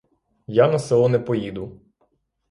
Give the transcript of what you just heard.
Я на село не поїду!